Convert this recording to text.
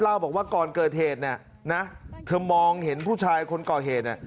เล่าบอกว่าก่อนเกิดเหตุนะเธอมองเห็นผู้ชายคนก่อเหตุ